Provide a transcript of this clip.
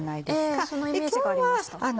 ええそのイメージがありました。